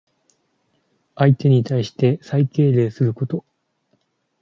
相手に対して最敬礼すること。